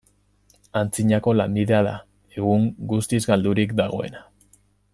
Antzinako lanbidea da, egun guztiz galdurik dagoena.